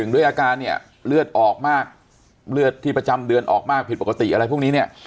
ด้วยอาการเนี่ยเลือดออกมากเลือดที่ประจำเดือนออกมากผิดปกติอะไรพวกนี้เนี่ย